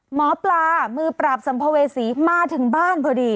หมอปลามือปราบสัมภเวษีมาถึงบ้านพอดี